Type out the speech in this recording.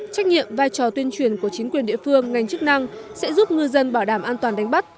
trách nhiệm vai trò tuyên truyền của chính quyền địa phương ngành chức năng sẽ giúp ngư dân bảo đảm an toàn đánh bắt